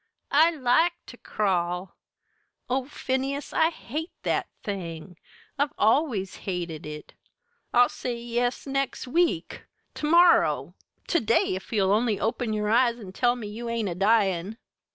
I like ter crawl. Oh, Phineas, I hate that thing I've always hated it! I'll say yes next week to morrow to day if you'll only open your eyes and tell me you ain't a dyin'!"